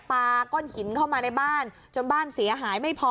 ปาก้อนหินเข้ามาในบ้านจนบ้านเสียหายไม่พอ